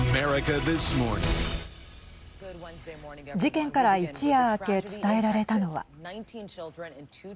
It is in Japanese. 事件から一夜明け伝えられたのは。